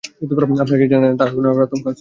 আপনারা কি জানেন না তার আগুনের আতঙ্ক আছে?